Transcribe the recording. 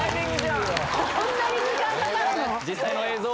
こんなに時間かかるの？